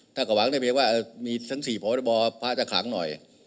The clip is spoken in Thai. ถ้าเกาะวางแค่ว่ามีครั้ง๔พหัสบอสพ่อจะขลังหน่อย